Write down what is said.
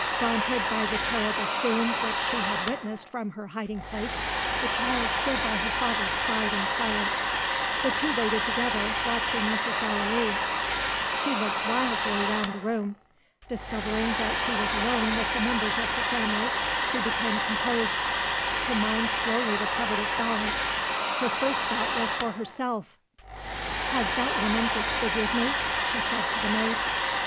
Daunted by the terrible scene which she had witnessed from her hiding place, the child stood by her father's side in silence. The two waited together, watching Mrs. Gallilee. She looked wildly round the room. Discovering that she was alone with the members of her family, she became composed: her mind slowly recovered its balance. Her first thought was for herself. "Has that woman disfigured me?" she said to the maid.